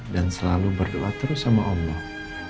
dan selalu berdoa terus sama allah